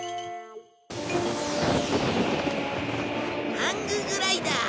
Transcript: ハンググライダー。